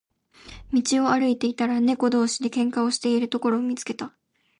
道を歩いていたら、猫同士で喧嘩をしているところを見つけた。